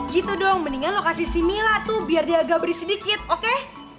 gitu dong mendingan lo kasih si mila tuh biar dia agak beris sedikit oke